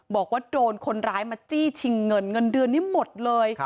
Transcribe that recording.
บอกว่าโดนคนร้ายมาจี้ชิงเงินเงินเดือนนี้หมดเลย